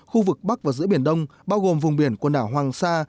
khu vực bắc và giữa biển đông bao gồm vùng biển quần đảo hoàng sa